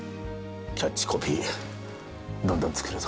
キャッチコピーどんどん作るぞ。